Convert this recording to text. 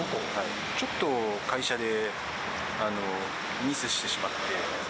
ちょっと会社でミスしてしまって。